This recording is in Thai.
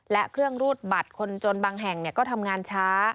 และเครื่องรูดบัตรคนจนบางแห่งก็ทำงานช้า